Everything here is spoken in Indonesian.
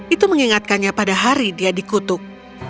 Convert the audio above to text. itu mengingatkannya pada hari dia dikutuk